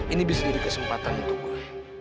ini bisa jadi kesempatan untuk gue